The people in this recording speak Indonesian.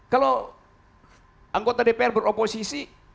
kalau anggota dpr beroposisi